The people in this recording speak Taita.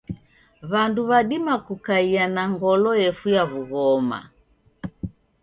Wandu wadima kukaia na ngolo yefuya wughoma.